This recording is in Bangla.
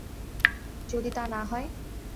যদি তা না হয়?